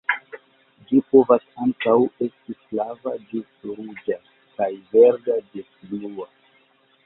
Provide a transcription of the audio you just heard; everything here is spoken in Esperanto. Ĝi povas ankaŭ esti flava ĝis ruĝa kaj verda ĝis blua.